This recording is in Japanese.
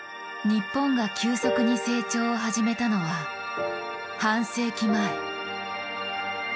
日本が急速に成長を始めたのは半世紀前。